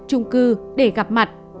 trung cư để gặp mặt